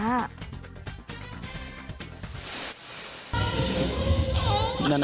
นั่นไง